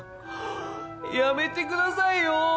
やめてくださいよ。